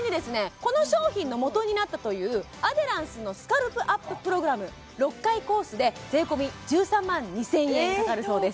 この商品のもとになったというアデランスのスカルプアッププログラム６回コースで税込１３万２０００円かかるそうです